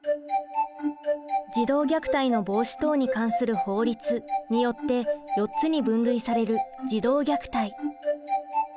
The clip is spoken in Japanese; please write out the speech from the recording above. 児童虐待の防止等に関する法律によって４つに分類される児童虐待。